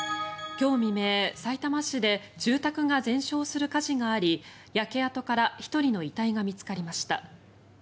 今日未明、さいたま市で住宅が全焼する火事があり焼け跡から１人の遺体が見つかりました。